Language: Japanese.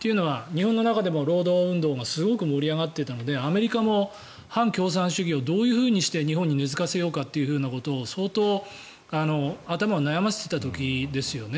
というのは日本の中でも労働運動がすごく盛り上がっていたのでアメリカも反共産主義をどういうふうにして日本に根付かせようかということを相当頭を悩ませていた時ですよね。